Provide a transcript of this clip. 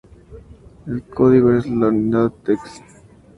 El código de la unidad es "tex".